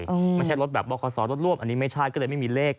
ไม่ใช่รถแบบบคศรถร่วมอันนี้ไม่ใช่ก็เลยไม่มีเลข